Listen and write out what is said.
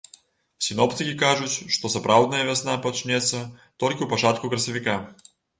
Сіноптыкі кажуць, што сапраўдная вясна пачнецца толькі ў пачатку красавіка.